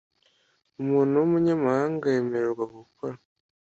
umuntu w’umunyamahanga yemererwa gukora